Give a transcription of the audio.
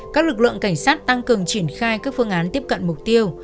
các lực lượng cảnh sát tăng cường triển khai các phương án tiếp cận mục tiêu